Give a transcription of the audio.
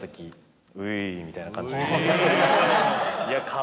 みたいな感じ。